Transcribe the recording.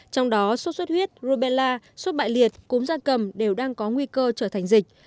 trong đó sốt xuất huyết rubella sốt bại liệt cúm da cầm đều đang có nguy cơ trở thành dịch